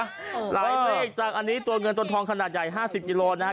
หลายเลขจังอันนี้ตัวเงินตัวทองขนาดใหญ่๕๐กิโลนะครับ